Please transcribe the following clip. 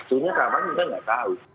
satunya keamanan kita nggak tahu